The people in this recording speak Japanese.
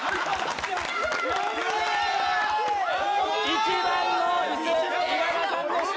１番の椅子、稲田さんでした。